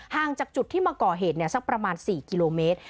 จากจุดที่มาก่อเหตุสักประมาณ๔กิโลเมตร